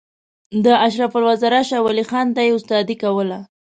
د اشرف الوزرا شاولي خان ته یې استادي کوله.